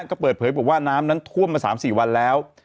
ก็เปิดเผยบอกว่าน้ำนั้นท่วมมา๓๔วันแล้ว